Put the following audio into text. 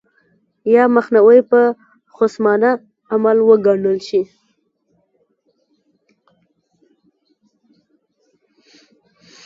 یا مخنیوی به خصمانه عمل وګڼل شي.